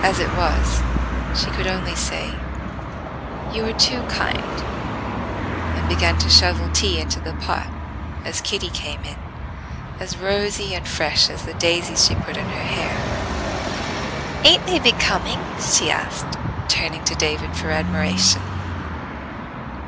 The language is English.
As it was, she could only say, "You are too kind," and begin to shovel tea into the pot, as Kitty came in, as rosy and fresh as the daisies she put in her hair. "Ain't they becoming?" she asked, turning to David for admiration.